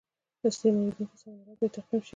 استعمالیدونکي سامان آلات باید تعقیم شي.